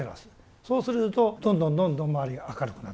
そうするとどんどんどんどん周りが明るくなってくる。